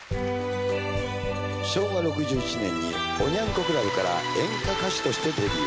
昭和６１年におニャン子クラブから演歌歌手としてデビュー。